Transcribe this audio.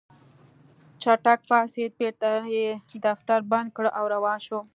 چټک پاڅېد بېرته يې دفتر بند کړ او روان شو.